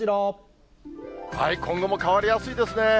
今後も変わりやすいですね。